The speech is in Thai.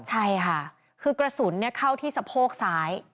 ใช่ค่ะคือกระสุนเข้าที่สะโพกซ้าย